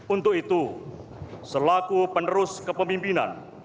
untuk itu selaku penerus kepemimpinan